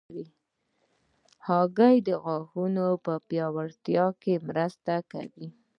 هګۍ د غاښونو پیاوړتیا کې مرسته کوي.